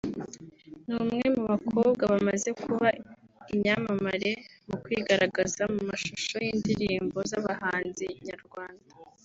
ni umwe mu bakobwa bamaze kuba inyamamare mu kwigaragaza mu mashusho y’indirimbo z’abahanzi nyarwanda